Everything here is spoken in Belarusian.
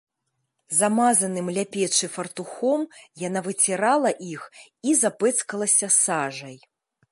Замазаным ля печы фартухом яна выцірала іх і запэцкалася сажай.